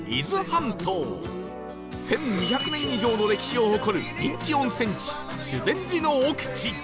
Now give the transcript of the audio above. １２００年以上の歴史を誇る人気温泉地修善寺の奥地